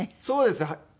そうですね。